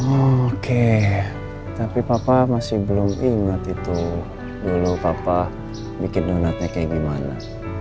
oke tapi papa masih belum ingat itu dulu papa bikin donatnya kayak gimana